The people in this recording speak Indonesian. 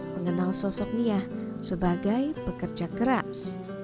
mengenal sosok nia sebagai pekerja keras